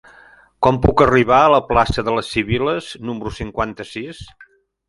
Com puc arribar a la plaça de les Sibil·les número cinquanta-sis?